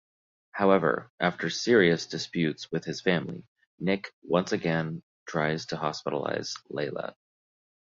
However, after serious disputes with his family, Nick once again tries to hospitalize Leila.